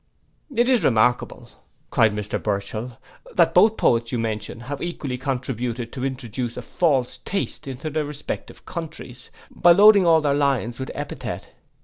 '—'It is remarkable,' cried Mr Burchell, 'that both the poets you mention have equally contributed to introduce a false taste into their respective countries, by loading all their lines with epithet.